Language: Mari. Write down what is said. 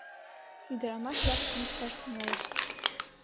Ӱдырамаш-влак лӱшкаш тӱҥальыч.